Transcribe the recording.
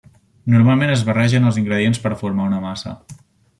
Normalment es barregen els ingredients per formar una massa.